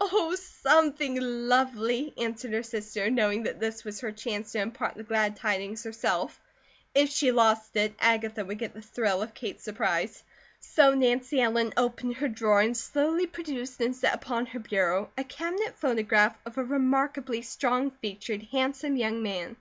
"Oh, something lovely!" answered her sister, knowing that this was her chance to impart the glad tidings herself; if she lost it, Agatha would get the thrill of Kate's surprise. So Nancy Ellen opened her drawer and slowly produced and set upon her bureau a cabinet photograph of a remarkably strong featured, handsome young man.